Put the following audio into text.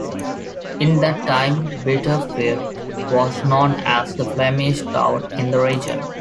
In that time Bitterfeld was known as "the Flemish town" in the region.